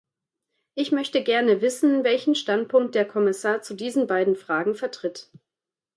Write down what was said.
Ich möchte gerne wissen, welchen Standpunkt der Kommissar zu diesen beiden Fragen vertritt.